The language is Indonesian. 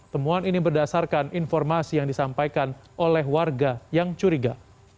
temuan ini berdasarkan informasi yang disampaikan oleh warga yang curiga